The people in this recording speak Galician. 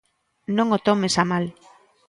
Non o tomes a mal.